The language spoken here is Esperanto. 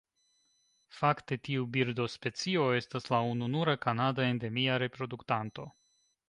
Fakte tiu birdospecio estas la ununura kanada endemia reproduktanto.